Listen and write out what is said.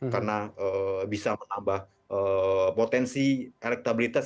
karena bisa menambah potensi elektabilitas